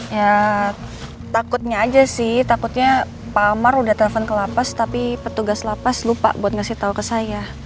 ya takutnya aja sih takutnya pak amar udah telepon ke lapas tapi petugas lapas lupa buat ngasih tau ke saya